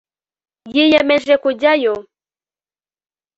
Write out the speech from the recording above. yiyemeje kujyayo